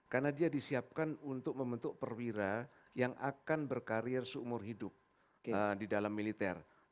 karena dia disiapkan untuk membentuk perwira yang akan berkarir seumur hidup di dalam militer